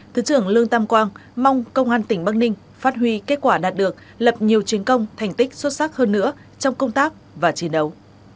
thứ trưởng lương tam quang mong công an tỉnh bắc ninh phát huy kết quả đạt được lập nhiều chiến công thành tích xuất sắc hơn nữa trong công tác và chiến đấu